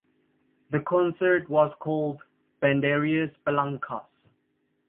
The concert was called Banderas Blancas.